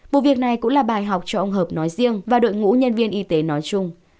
vụ việc này cũng là bài học cho ông hợp nói riêng và đội ngũ nhân viên y tế nói chung